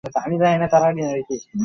দেখেছি না আবার?